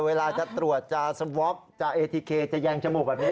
เวลาจะตรวจจะสวอปจะเอทีเคจะแยงจมูกแบบนี้